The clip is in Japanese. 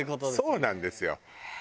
そうなんですよ。